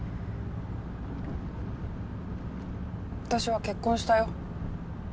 私は結婚したよ